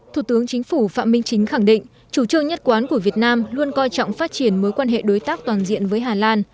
thủ tướng chính phủ phạm minh chính khẳng định chủ trương nhất quán của việt nam luôn coi trọng phát triển mối quan hệ đối tác toàn diện với hà lan